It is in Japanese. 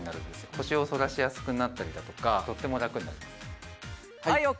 「腰を反らしやすくなったりだとかとても楽になります」